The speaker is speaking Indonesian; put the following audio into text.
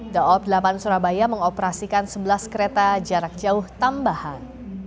daob delapan surabaya mengoperasikan sebelas kereta jarak jauh tambahan